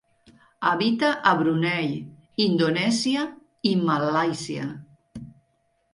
Habita a Brunei, Indonèsia, i Malàisia.